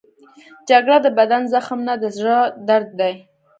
جګړه د بدن زخم نه، د زړه درد دی